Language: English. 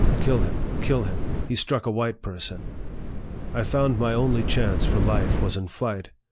Kill him ! kill him ! He struck a white person." I found my only chance for life was in flight.